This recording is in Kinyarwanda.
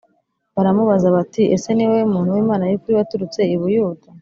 b Aramubaza ati ese ni wowe muntu w Imana y ukuri waturutse i Buyuda